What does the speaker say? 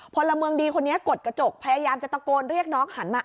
พลเมืองดีคนนี้กดกระจกพยายามจะตะโกนเรียกน้องหันมา